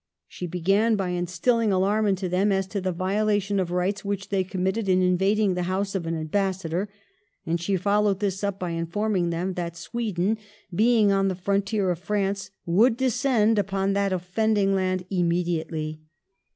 She began by instilling alarm into them as to the violation of rights which they committed in invading the house of an ambassador, and she followed this up by informing them that Sweden, being on the frontier of France, would descend upon that offending land immediately.